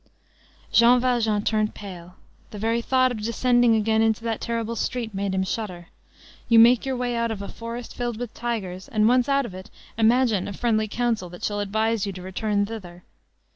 Jean Valjean turned pale; the very thought of descending again into that terrible street made him shudder. You make your way out of a forest filled with tigers, and once out of it, imagine a friendly counsel that shall advise you to return thither!